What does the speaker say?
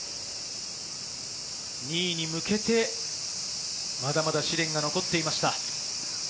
２位に向けてまだまだ試練が残っていました。